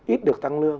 ít được tăng lương